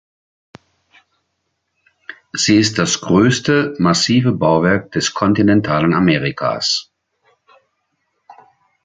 Sie ist das größte massive Bauwerk des kontinentalen Amerikas.